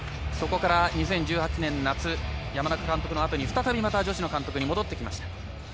そこから、２０１８年夏山中監督のあとに再び女子の監督に戻ってきました。